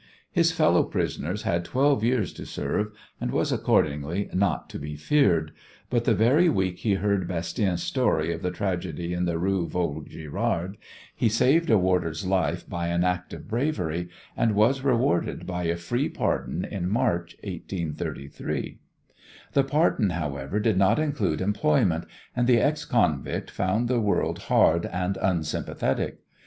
His fellow prisoner had twelve years to serve, and was, accordingly, not to be feared, but the very week he heard Bastien's story of the tragedy in the Rue Vaugirard he saved a warder's life by an act of bravery, and was rewarded by a free pardon in March, 1833. The pardon, however, did not include employment, and the ex convict found the world hard and unsympathetic.